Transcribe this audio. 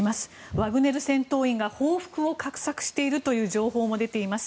ワグネル戦闘員が報復を画策しているという情報も出ています。